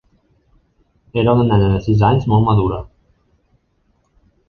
Era una nena de sis anys molt madura.